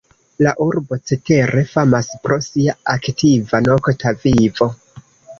La urbo cetere famas pro sia aktiva nokta vivo.